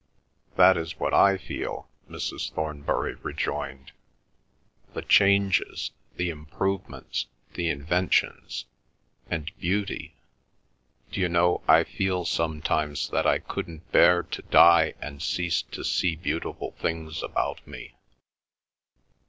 "That is what I feel," Mrs. Thornbury rejoined. "The changes, the improvements, the inventions—and beauty. D'you know I feel sometimes that I couldn't bear to die and cease to see beautiful things about me?"